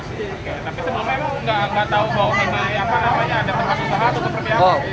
tapi sebelumnya emang gak tau bahwa ada tempat usaha atau keperluan apa gitu ya